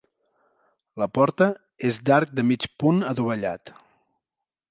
La porta és d'arc de mig punt adovellat.